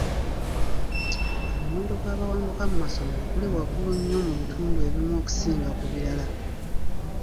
Omuwendo gw'abawanduka mu masomero guli waggulu nnyo mu bitundu ebimu okusinga ku birala.